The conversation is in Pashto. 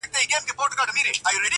قربان تر خپله کوره، چي خبره سي په زوره.